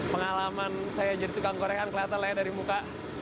pengalaman saya jadi tukang gorengan kelihatan layak dari muka